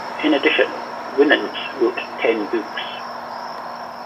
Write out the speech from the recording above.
In addition, Winans wrote ten books.